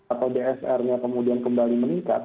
atau dsr nya kemudian kembali meningkat